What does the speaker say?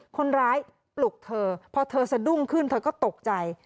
คนร้ายปลุกเธอพอเธอสะดุ้งขึ้นเธอก็ตกใจ